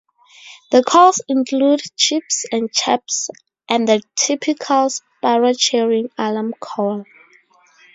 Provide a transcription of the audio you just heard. The calls include cheeps and chirps, and the typical sparrow churring alarm call.